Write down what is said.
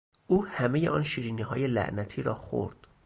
او همهی آن شیرینیهای لعنتی را خورد!